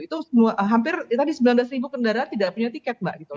itu hampir tadi sembilan belas ribu kendaraan tidak punya tiket mbak